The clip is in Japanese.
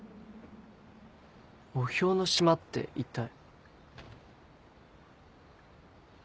「墓標の島」って一体？